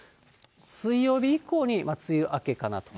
水曜日以降に梅雨明けかなと。